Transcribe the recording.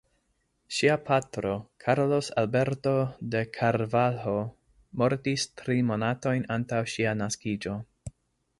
Ŝia patro Carlos Alberto de Carvalho mortis tri monatojn antaŭ ŝia naskiĝo.